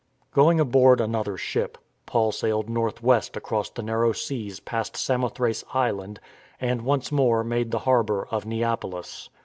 Going aboard another ship, Paul sailed north west across the narrow seas past Samothrace Island, and once more made the harbour of Neapolis.